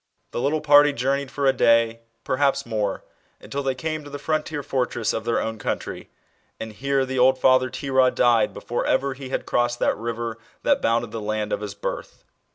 The little party journeyed for a day, perhaps more, until they came to the frontier fortress of their own country ^ and here the old father Terah died before ( ever he had crossed that river that bounded the land of his birth.